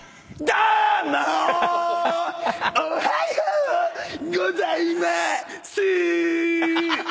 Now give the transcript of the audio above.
どうも‼おはようございます‼